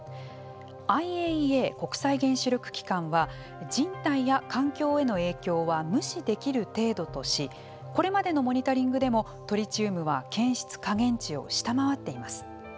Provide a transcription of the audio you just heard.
ＩＡＥＡ＝国際原子力機関は人体や環境への影響は無視できる程度としこれまでのモニタリングでもトリチウムは検出下限値を下回っています。